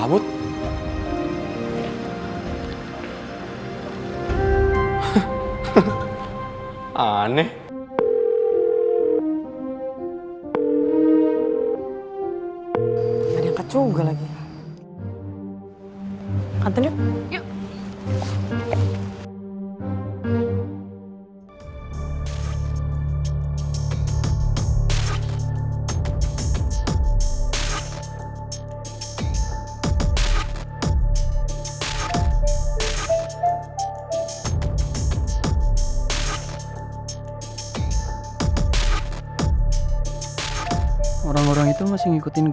kok malah pada cabut